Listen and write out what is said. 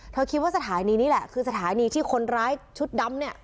คิดว่าสถานีนี้แหละคือสถานีที่คนร้ายชุดดำเนี่ย